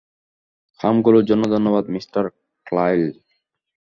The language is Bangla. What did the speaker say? খামগুলোর জন্য ধন্যবাদ, মিস্টার কার্লাইল।